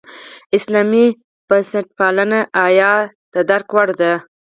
اسلامي بنسټپالنې احیا د درک وړ ده.